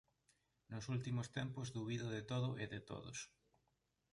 Nos últimos tempos dubido de todo e de todos.